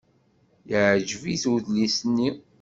Yeɛjeb-it udlis-nni.